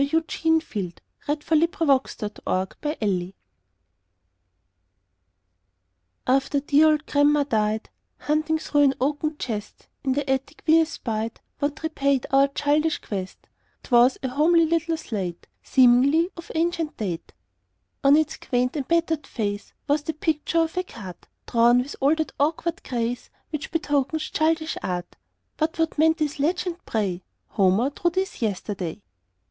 Eugene Field Little Homer's Slate AFTER dear old grandma died, Hunting through an oaken chest In the attic, we espied What repaid our childish quest; 'Twas a homely little slate, Seemingly of ancient date. On its quaint and battered face Was the picture of a cart, Drawn with all that awkward grace Which betokens childish art; But what meant this legend, pray: "Homer drew this yesterday?"